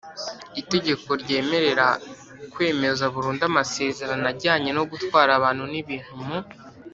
Itegeko ryemerera kwemeza burundu amasezerano ajyanye no gutwara abantu n ibintu mu